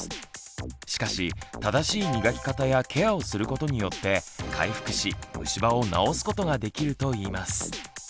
しかし正しい磨き方やケアをすることによって回復しむし歯を治すことができるといいます。